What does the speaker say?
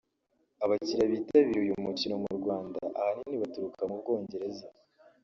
Abakiriya bitabira uyu mukino mu Rwanda ahanini baturuka mu Bwongereza